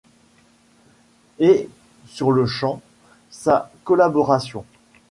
et sur-le-champ, sa collaboration.